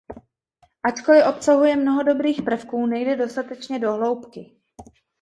Ačkoli obsahuje mnoho dobrých prvků, nejde dostatečně do hloubky.